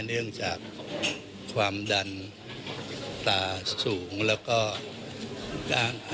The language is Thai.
เนี่ยจากความดันตาสูงและกราง